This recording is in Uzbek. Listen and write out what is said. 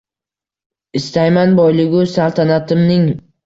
Istayman: boyligu saltanatimning